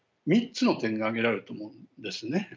３つの点が挙げられると思うんですね。